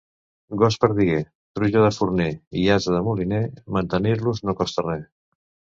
Gos perdiguer, truja de forner i ase de moliner, mantenir-los no costa res.